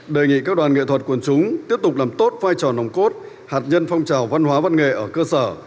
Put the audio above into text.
đề nghị các đoàn nghệ thuật quần chúng tiếp tục làm tốt vai trò nồng cốt hạt nhân phong trào văn hóa văn nghệ ở cơ sở